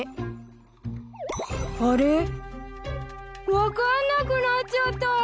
分かんなくなっちゃった！